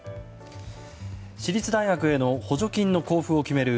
私立大学への補助金の交付を決める